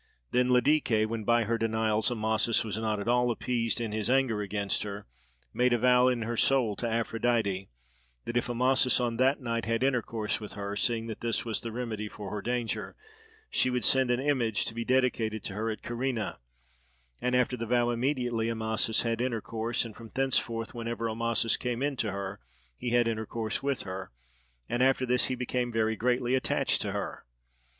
Then Ladike, when by her denials Amasis was not at all appeased in his anger against her, made a vow in her soul to Aphrodite, that if Amasis on that night had intercourse with her (seeing that this was the remedy for her danger), she would send an image to be dedicated to her at Kyrene; and after the vow immediately Amasis had intercourse, and from thenceforth whenever Amasis came in to her he had intercourse with her; and after this he became very greatly attached to her.